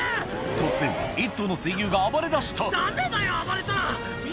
突然１頭の水牛が暴れだしたダメだよ暴れたら！